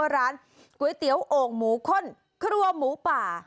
ร้านก๋วยเตี๋ยวโอ่งหมูข้นครัวหมูป่า